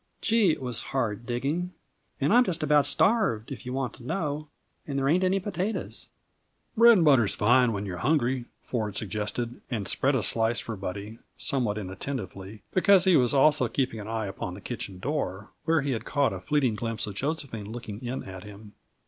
Gee, it was hard digging! And I'm just about starved, if you want to know. And there ain't any potatoes." "Bread and butter is fine when you're hungry," Ford suggested, and spread a slice for Buddy, somewhat inattentively, because he was also keeping an eye upon the kitchen door, where he had caught a fleeting glimpse of Josephine looking in at him.